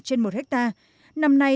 trên một hectare năm nay